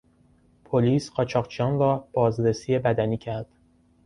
پلیس قاچاقچیان را بازرسی بدنی کرد.